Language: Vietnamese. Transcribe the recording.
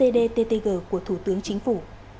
dttg của thủ tướng chính phủ